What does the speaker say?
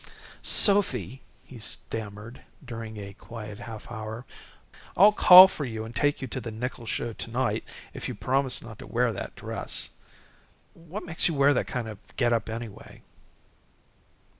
"Sophy," he stammered, during a quiet half hour, "I'll call for you and take you to the nickel show to night if you'll promise not to wear that dress. What makes you wear that kind of a get up, anyway?"